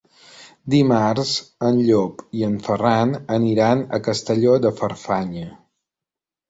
Dimarts en Llop i en Ferran aniran a Castelló de Farfanya.